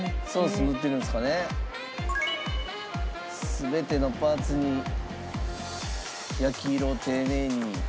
全てのパーツに焼き色を丁寧に。